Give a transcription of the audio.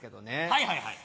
はいはいはい。